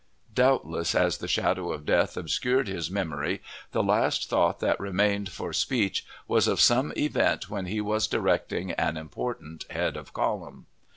Doubtless, as the shadow of death obscured his memory, the last thought that remained for speech was of some event when he was directing an important "head of column."